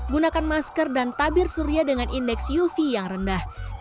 gunakan masker dan tabir surya dengan indeks uv yang rendah